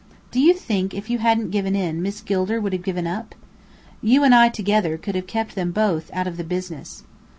"Do you think if you hadn't given in, Miss Gilder would have given up?" "You and I together could have kept them both out of the business."